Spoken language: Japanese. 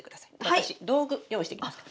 私道具用意してきますから。